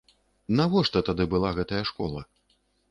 Навошта тады была гэтая школа?